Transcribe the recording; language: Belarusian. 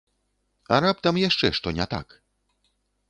А раптам яшчэ што не так?